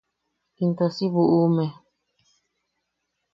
Into si bu’ume.